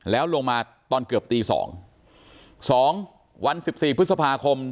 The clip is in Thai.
แล้วลงมาตอนเกือบตีสองสองวันสิบสี่พฤษภาคม